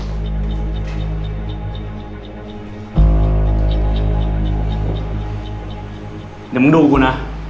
เดี๋ยวมึงดูกูนะ